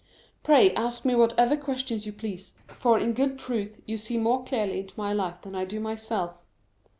"Pray ask me whatever questions you please; for, in good truth, you see more clearly into my life than I do myself."